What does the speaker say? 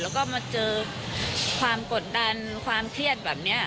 แล้วก็มาเจอความกดดันความเครียดแบบนี้